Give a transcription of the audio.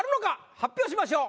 発表しましょう。